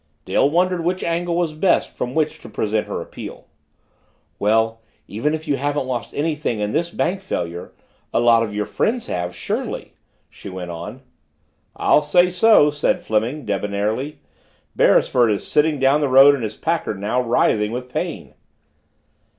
Dale wondered which angle was best from which to present her appeal. "Well, even if you haven't lost anything in this bank failure, a lot of your friends have surely?" she went on. "I'll say so!" said Fleming, debonairly. "Beresford is sitting down the road in his Packard now writhing with pain!"